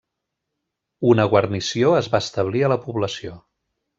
Una guarnició es va establir a la població.